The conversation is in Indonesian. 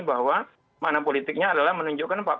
bahwa makna politiknya adalah menunjukkan